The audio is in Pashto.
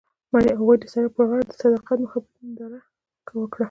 هغوی د سړک پر غاړه د صادق محبت ننداره وکړه.